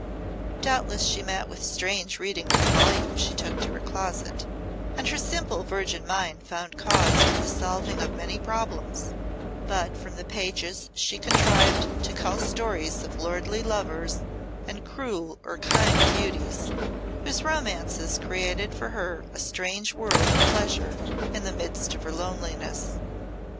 Doubtless she met with strange reading in the volumes she took to her closet, and her simple virgin mind found cause for the solving of many problems; but from the pages she contrived to cull stories of lordly lovers and cruel or kind beauties, whose romances created for her a strange world of pleasure in the midst of her loneliness.